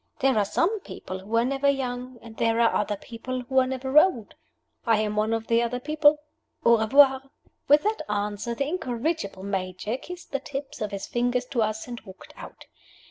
"There are some people who are never young, and there are other people who are never old. I am one of the other people. Au revoir!" With that answer the incorrigible Major kissed the tips of his fingers to us and walked out.